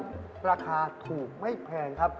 นี่ครับลักษณ์ถูกไม่แพงครับ